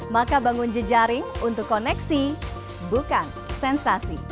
maka bangun jejaring untuk koneksi bukan sensasi